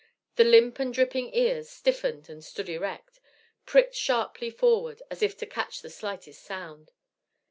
The limp and dripping ears stiffened and stood erect, pricked sharply forward, as if to catch the slightest sound.